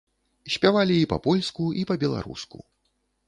Спявалі і па-польску, і па-беларуску.